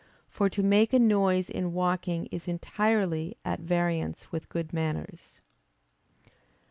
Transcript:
For to make a noise in walking is entirely at variance with good manners.